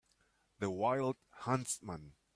The wild huntsman